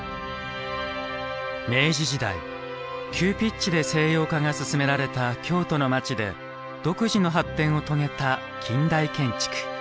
明治時代急ピッチで西洋化が進められた京都の街で独自の発展を遂げた近代建築。